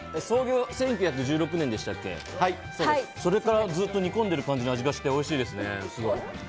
創業１９１６年でしたか、それからずっと煮込んでいる感じの味がしておいしいです。